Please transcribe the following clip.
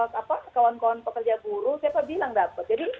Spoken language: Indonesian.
kalau kawan kawan pekerja buruh siapa bilang dapat